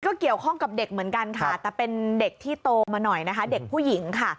ก็เกี่ยวข้องกับเด็กเหมือนกันค่ะแต่เป็นเด็กที่โตมาหน่อยนะคะเด็กผู้หญิงค่ะ